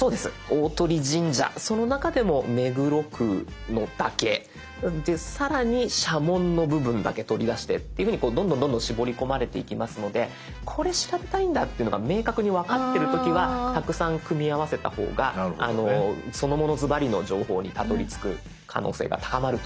大鳥神社その中でも目黒区のだけ更に社紋の部分だけ取り出してっていうふうにどんどんどんどん絞り込まれていきますのでこれ調べたいんだっていうのが明確に分かってる時はたくさん組み合わせた方がそのものずばりの情報にたどりつく可能性が高まると思います。